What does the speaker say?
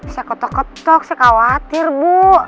saya kotok ketok saya khawatir bu